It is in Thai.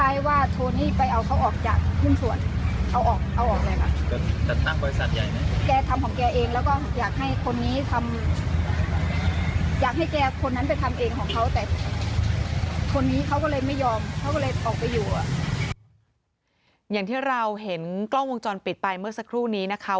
อย่างที่เราเห็นกล้องวงจรปิดไปเมื่อสักครู่นี้นะคะ